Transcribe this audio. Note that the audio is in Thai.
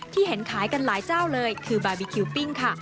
เห็นขายกันหลายเจ้าเลยคือบาร์บีคิวปิ้งค่ะ